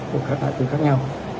của các tài tư khác nhau